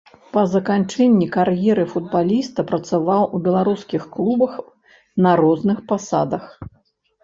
Па заканчэнні кар'еры футбаліста працаваў у беларускіх клубах на розных пасадах.